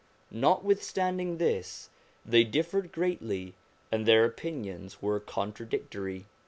Notwith standing this, they differed greatly, and their opinions were contradictory.